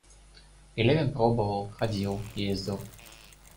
И Левин пробовал, ходил, ездил.